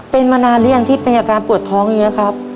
เป็นมานานเรียงที่มีอาการปวดท้องอย่างเงี้ยครับ